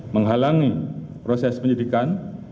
menghalangi proses penyidikan